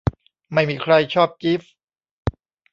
ไม่มีใครชอบจีฟส์